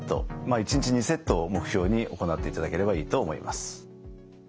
１日２セットを目標に行っていただければいいと思います。